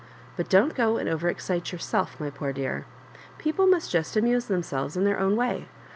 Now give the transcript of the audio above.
But don't go and over excite yourself, my poor dear. People must just amuse them selves in their own way.